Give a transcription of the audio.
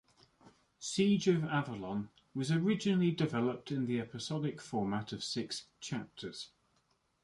"Siege of Avalon" was originally developed in the episodic format of six "chapters".